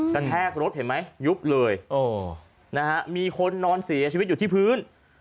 แทกรถเห็นไหมยุบเลยมีคนนอนเสียชีวิตอยู่ที่พื้น